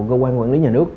cơ quan quản lý nhà nước